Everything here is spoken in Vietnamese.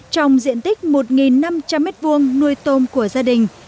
trong diện tích một năm trăm linh m hai nuôi tôm của gia đình